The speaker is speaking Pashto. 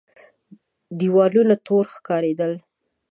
دېوالونه تور ښکارېدل.